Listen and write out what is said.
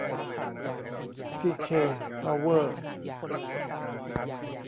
ซีเค พาวเวอร์